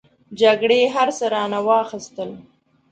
جګړې هر څه رانه واخستل.